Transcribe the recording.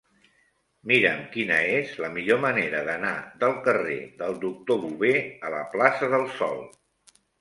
Mira'm quina és la millor manera d'anar del carrer del Doctor Bové a la plaça del Sol.